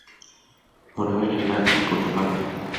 মনে হয় না এটা ঠিক করতে পারব।